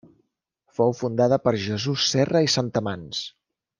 Fou fundada per Jesús Serra i Santamans.